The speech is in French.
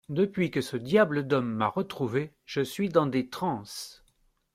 Depuis que ce diable d’homme m’a retrouvé, je suis dans des transes…